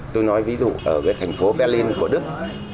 tôi nói ví dụ ở thành phố berlin của đức